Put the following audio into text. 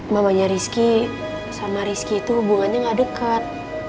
mamanya rizky sama rizky itu hubungannya gak dekat